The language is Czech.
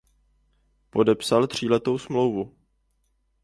Podepsal tříletou smlouvu.